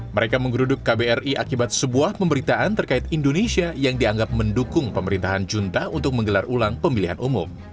mereka menggeruduk kbri akibat sebuah pemberitaan terkait indonesia yang dianggap mendukung pemerintahan junta untuk menggelar ulang pemilihan umum